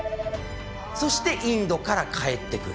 そしてインドから帰ってくる。